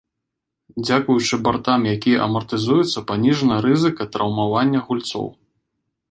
Дзякуючы бартам, якія амартызуюцца, паніжана рызыка траўмавання гульцоў.